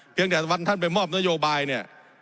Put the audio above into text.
เพียงแต่วันท่านไปมอบนโยบายเนี่ย